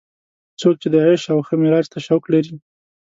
څوک چې د عیش او ښه معراج ته شوق لري.